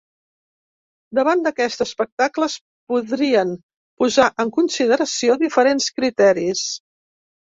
Davant d’aquest espectacle es podrien posar en consideració diferents criteris.